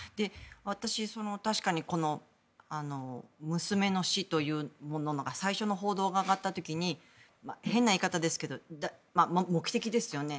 私、確かに娘の死という最初の報道が上がった時に変な言い方ですけど目的ですよね。